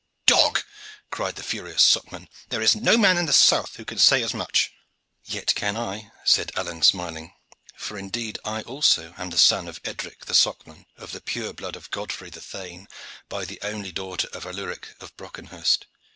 "Dog!" cried the furious Socman, "there is no man in the south who can say as much." "Yet can I," said Alleyne smiling; "for indeed I also am the son of Edric the Socman, of the pure blood of Godfrey the thane, by the only daughter of Aluric of Brockenhurst.